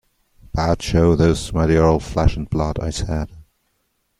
"Bad show this, my dear old flesh and blood," I said.